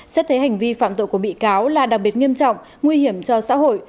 xét thấy hành vi phạm tội của bị cáo là đặc biệt nghiêm trọng nguy hiểm cho xã hội